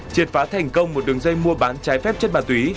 triệt phá thành công một đường dây mua bán trái phép chất ma túy